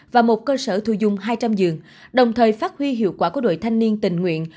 và một cơ sở thu dung hai trăm linh giường đồng thời phát huy hiệu quả của đội thanh niên tình nguyện